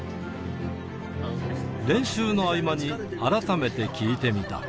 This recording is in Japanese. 練習の合間に改めて聞いてみた。